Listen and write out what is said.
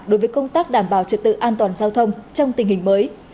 đối với công tác đảm bảo trật tự an toàn giao thông trong tình hình mới